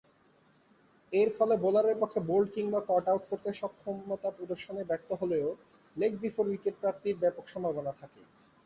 এরফলে বোলারের পক্ষে বোল্ড কিংবা কট-আউট করতে সক্ষমতা প্রদর্শনে ব্যর্থ হলেও লেগ বিফোর উইকেট প্রাপ্তির ব্যাপক সম্ভাবনা থাকে।